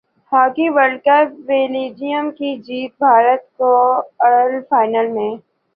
hockey world cup Belgium کی جیت Bharat quarter final میں